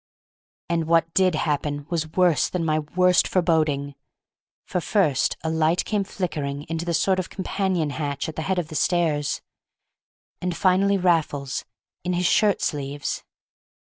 And what did happen was worse than my worst foreboding, for first a light came flickering into the sort of companion hatch at the head of the stairs, and finally Raffles—in his shirt sleeves!